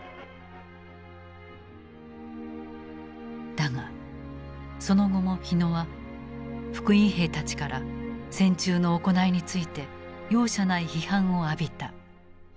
だがその後も火野は復員兵たちから戦中の行いについて容赦ない批判を浴びた。